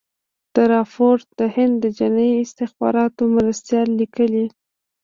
دا رپوټ د هند د جنايي استخباراتو مرستیال لیکلی.